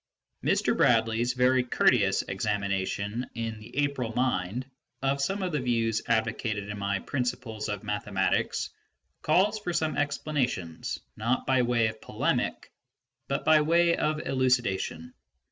Mr. Bradley's very courteous examination in the April Mind of some of the views advocated in my Principles of Mathematics calls for some explanations, not by way of polemic, but by way of elucidation.